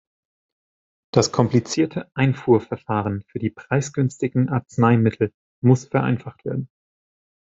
Das komplizierte Einfuhrverfahren für die preisgünstigen Arzneimittel muss vereinfacht werden.